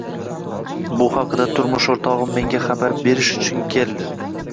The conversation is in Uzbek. Bu haqida turmush o`rtog`im menga xabar berish uchun keldi